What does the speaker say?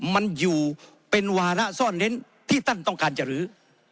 มันอยู่เป็นวาระซ่อนเน้นที่ท่านต้องการจะลื้อ